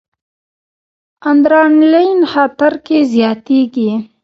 ادرانالین خطر کې زیاتېږي.